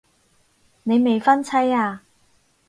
你未婚妻啊